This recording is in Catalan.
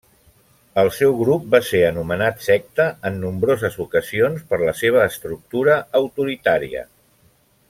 El seu grup va ser anomenat secta en nombroses ocasions per la seva estructura autoritària.